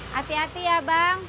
hati hati ya bang